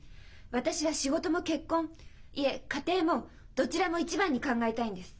私は仕事も結婚いえ家庭もどちらも一番に考えたいんです。